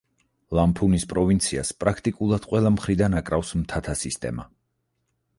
ლამფუნის პროვინციას პრაქტიკულად ყველა მხარიდან აკრავს მთათა სისტემა.